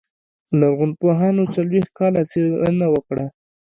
لرغونپوهانو څلوېښت کاله څېړنه وکړه.